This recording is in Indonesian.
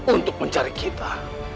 untuk mencari kita